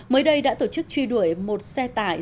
mới đây đã tổ chức truy đuổi một xe tải